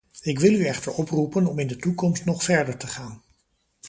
Ik wil u echter oproepen om in de toekomst nog verder te gaan.